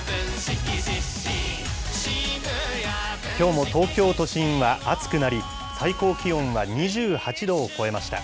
きょうも東京都心は暑くなり、最高気温は２８度を超えました。